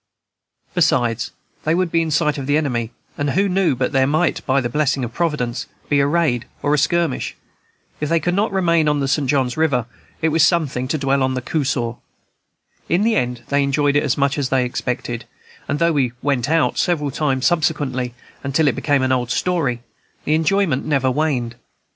Besides, they would be in sight of the enemy, and who knew but there might, by the blessing of Providence, be a raid or a skirmish? If they could not remain on the St. John's River, it was something to dwell on the Coosaw. In the end they enjoyed it as much as they expected, and though we "went out" several times subsequently, until it became an old story, the enjoyment never waned.